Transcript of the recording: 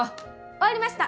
終わりました！